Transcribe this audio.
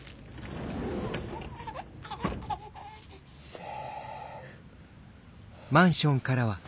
・セーフ。